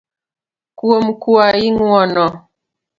kuom kwayi ng'uono